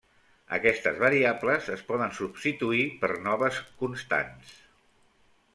Aquestes variables es poden substituir per noves constants.